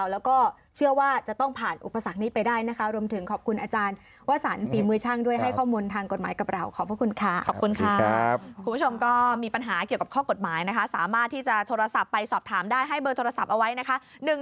แล้วก็มีปัญหาเกี่ยวกับข้อกฎหมายนะคะสามารถที่จะโทรศัพท์ไปสอบถามได้ให้เบอร์โทรศัพท์เอาไว้นะคะ